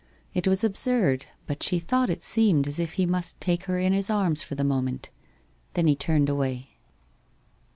It was absurd, but she thought it seemed as if he must take her in his arms for the moment. Then he turned away.